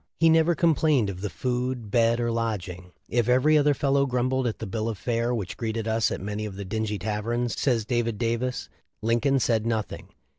"He never complained of the food, bed, or lodg ings. If every other fellow grumbled at the bill of fare which greeted us at many of the dingy tav erns," says David Davis, "Lincoln said nothing."